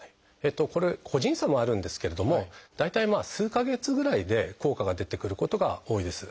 これ個人差もあるんですけれども大体数か月ぐらいで効果が出てくることが多いです。